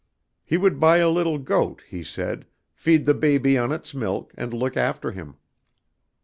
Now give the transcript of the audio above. He would buy a little goat, he said, feed the baby on its milk and look after him.